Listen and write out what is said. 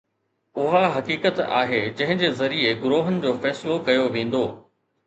اها حقيقت آهي جنهن جي ذريعي گروهن جو فيصلو ڪيو ويندو.